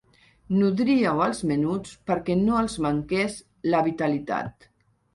Nodríeu els menuts perquè no els manqués la vitalitat.